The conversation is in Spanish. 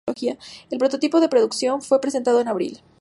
El prototipo de pre-producción fue presentado en abril.